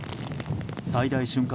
最大瞬間